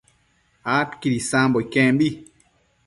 adquid isambo iquembi